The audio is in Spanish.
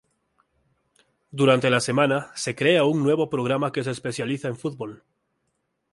Durante la semana, se crea un nuevo programa que se especializa en fútbol.